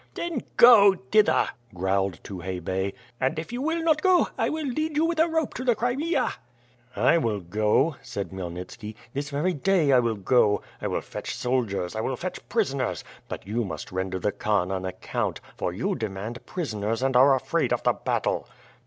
"Then go thither," growled Tukhay Bey, and if you will not go, I will lead you with a rope to the Crimea." "I will go," said Khmyelnitski. "This very day I will go! I will fetch soldiers, I will fetch prisoners; but you must render the Khan an account, for you demand prisoners and are afraid of the battle.